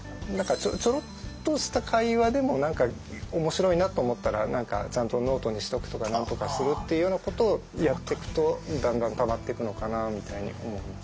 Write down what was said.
ちょろっとした会話でも何かおもしろいなと思ったらちゃんとノートにしとくとかなんとかするっていうようなことをやってくとだんだんたまってくのかなみたいに思います。